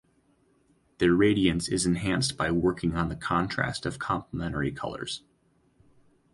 Their radiance is enhanced by working on the contrast of complementary colors.